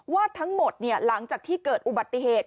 ว่าทั้งหมดหลังจากที่เกิดอุบัติเหตุ